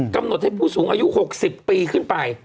กำหนดให้ผู้สูงอายุ๖๐ปีขึ้นไป